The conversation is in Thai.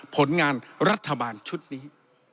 ผลงานรัฐบาลชุดนี้